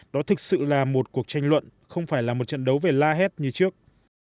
đó thực sự là một cuộc tranh luận không phải là một trận đấu về la hét như trước